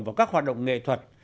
vào các hoạt động nghệ thuật